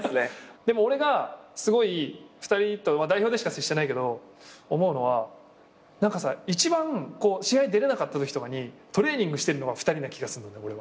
でも俺がすごい２人と代表でしか接してないけど思うのは何かさ一番試合出れなかったときとかにトレーニングしてるのは２人な気がするのね俺は。